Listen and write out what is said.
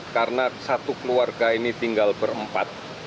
karena satu keluarga ini tinggal berempat